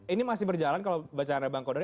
ini masih berjalan kalau bacaan dari bang kodari